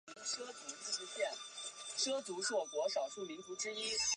唐天佑年间曾修建高公桥一座以方便两岸来往。